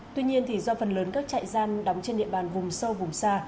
tuy nhiên do phần lớn các trại giam đóng trên địa bàn vùng sâu vùng xa